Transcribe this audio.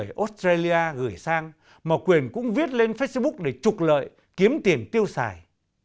nhiều người ở australia gửi sang mà quyền cũng viết lên facebook để trục lợi kiếm tiền tiêu xài